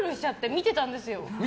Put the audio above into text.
見てたんですよ。